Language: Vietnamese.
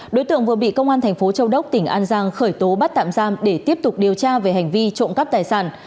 đối tượng vừa bị công an thành phố châu đốc tỉnh an giang khởi tố bắt tạm giam để tiếp tục điều tra về hành vi trộm cắp tài sản